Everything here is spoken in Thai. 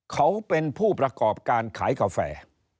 เขาเป็นผู้ประกอบการขายกาแฟ